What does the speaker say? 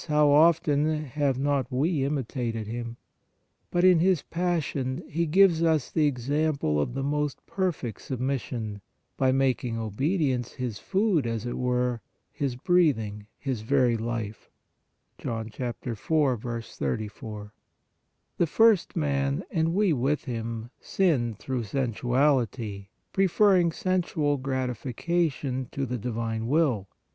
how often 190 PRAYER have not we imitated him ? But in His Passion He gives us the example of the most perfect submission, by making obedience His food, as it were (John 4. 34), His breathing, His very life. The first man, and we with him, sinned through sensuality, pre ferring sensual gratification to the divine will.